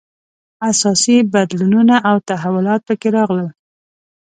اساسي بدلونونه او تحولات په کې راغلل.